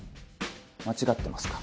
間違ってますか？